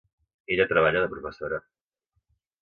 Ella treballa de professora.